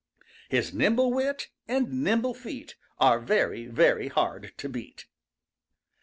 His nimble wit and nimble feet Are very, very hard to beat.